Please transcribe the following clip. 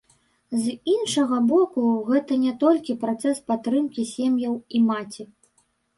З іншага боку, гэта не толькі працэс падтрымкі сем'яў і маці.